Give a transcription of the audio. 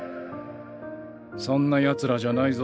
そんなやつらじゃないぞ。